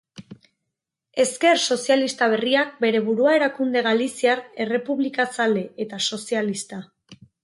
Ezker Sozialista Berriak bere burua erakunde galiziar, errepublikazale eta sozialista.